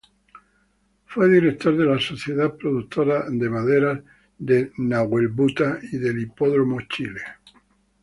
Fue director de la Sociedad Productora de Maderas de Nahuelbuta y del Hipódromo Chile.